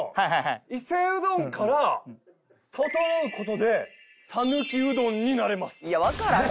伊勢うどんからととのう事で讃岐うどんになれます。